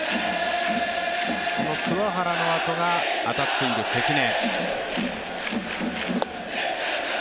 この桑原のあとが、当たっている関根。